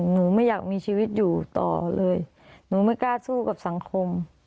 หนูไม่อยากมีชีวิตอยู่ต่อเลยหนูไม่กล้าสู้กับสังคม